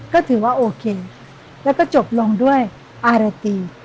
ก็ถือว่าโอเคแล้วก็จบลงด้วยอารตี